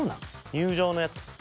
入場のやつ？］